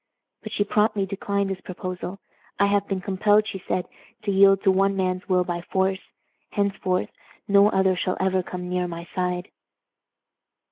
But she promptly declined this proposal. "I have been compelled," she said, "to yield to one man's will by force; henceforth no other shall ever come near my side."